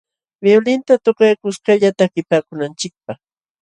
Violinta tukay kuskalla takipaakunanchikpaq.